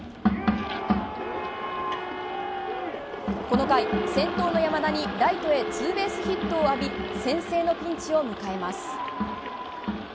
この回、先頭の山田にライトへツーベースヒットを浴び先制のピンチを迎えます。